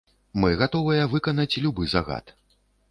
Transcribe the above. Мы гатовыя выканаць любы загад.